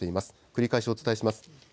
繰り返しお伝えします。